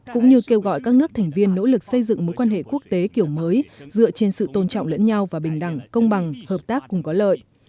cũng như kêu gọi các nước thành viên nỗ lực xây dựng mối quan hệ quốc tế kiểu mới dựa trên sự tôn trọng lẫn nhau và bình đẳng công bằng hợp tác cùng có lợi